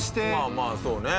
まあまあそうね。